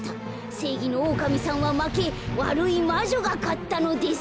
せいぎのオオカミさんはまけわるいまじょがかったのです。